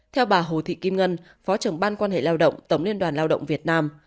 theo bà hồ thị kim ngân phó trưởng ban quan hệ lao động tổng liên đoàn lao động việt nam